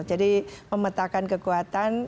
jadi memetakan kekuatan